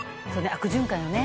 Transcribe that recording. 悪循環よね。